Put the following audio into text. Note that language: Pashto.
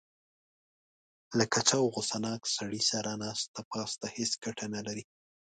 له کچه او غوسه ناک سړي سره ناسته پاسته هېڅ ګټه نه لري.